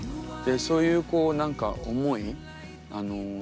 そういうこう何か思い。